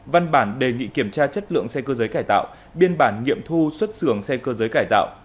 văn bản đề nghị kiểm tra chất lượng xe cơ giới cải tạo biên bản nghiệm thu xuất xưởng xe cơ giới cải tạo